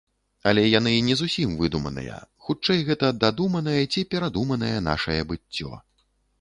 Але яны не зусім выдуманыя, хутчэй гэта дадуманае ці перадуманае нашае быццё.